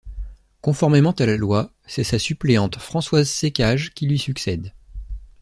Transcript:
Conformément à la loi, c'est sa suppléante Françoise Czekaj qui lui succède.